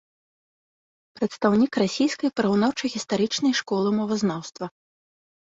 Прадстаўнік расійскай параўнаўча-гістарычнай школы мовазнаўства.